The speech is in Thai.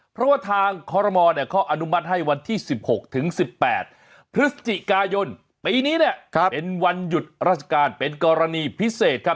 เพราะว่าทางคอรมอลเขาอนุมัติให้วันที่๑๖ถึง๑๘พฤศจิกายนปีนี้เนี่ยเป็นวันหยุดราชการเป็นกรณีพิเศษครับ